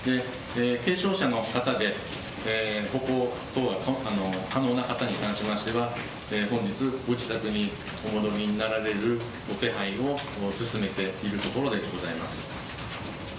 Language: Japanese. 軽傷者の方で歩行等が可能な方に関しましては本日、ご自宅にお戻りになられる予定で進めているところでございます。